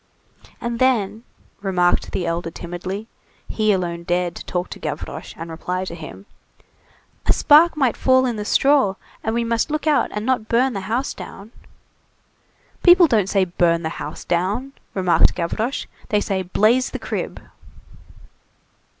"And then," remarked the elder timidly,—he alone dared talk to Gavroche, and reply to him, "a spark might fall in the straw, and we must look out and not burn the house down." "People don't say 'burn the house down,'" remarked Gavroche, "they say 'blaze the crib.